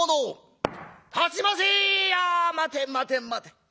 いや待て待て待て。